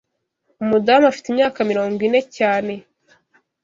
Umudamu afite imyaka mirongo ine cyane.